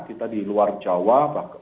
kita di luar jawa